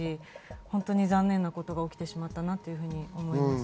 本当に残念なことが起きてしまったなと思います。